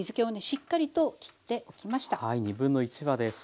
しっかりときっておきました。